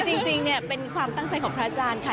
จริงเป็นความตั้งใจของพระอาจารย์ค่ะ